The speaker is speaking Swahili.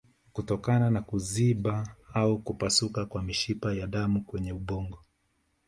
Kutokana na kuziba au kupasuka kwa mishipa ya damu kwenye ubongo